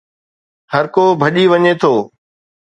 هرڪو ڀڄي وڃي ٿو